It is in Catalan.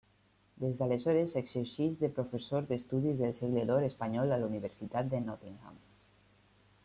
Des d'aleshores exerceix de professor d'Estudis del segle d'or espanyol a la Universitat de Nottingham.